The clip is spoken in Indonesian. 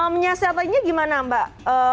menyiasatannya gimana mbak